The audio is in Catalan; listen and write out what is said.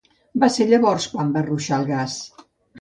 Va ser llavors quan van ruixar el gas.